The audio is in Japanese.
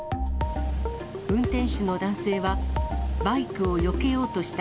運転手の男性は、バイクをよけようとした。